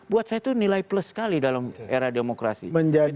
buat saya itu nilai plus sekali dalam era demokrasi